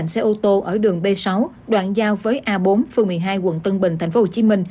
xe ô tô ở đường b sáu đoạn giao với a bốn phường một mươi hai quận tân bình tp hcm